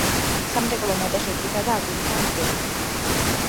სამრეკლო ნატეხი ქვითა და აგურითაა ნაგები.